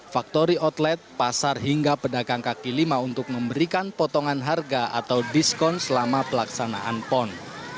factori outlet pasar hingga pedagang kaki lima untuk memberikan potongan harga atau diskon selama pelaksanaan pon